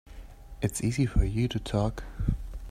It's easy for you to talk.